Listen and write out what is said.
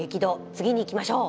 次にいきましょう。